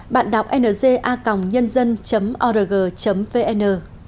bạn đọc nga nhân dân org vn